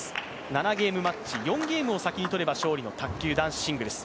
７ゲームマッチ、４ゲームを先に取れば勝利の卓球男子シングルス。